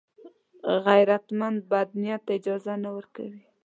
غیرتمند بد نیت ته اجازه نه ورکوي